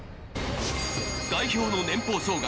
代表の年俸総額